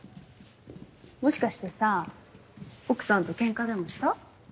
もしかしてさ奥さんとケンカでもした？